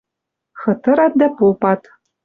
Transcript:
Хытырат дӓ попат